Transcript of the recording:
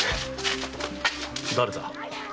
誰だ？